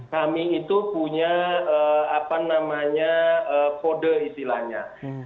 kami itu punya apa namanya kode istilahnya